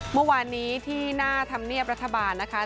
เมื่อวานนี้ที่หน้าธรรมเนียบรัฐบาลนะคะ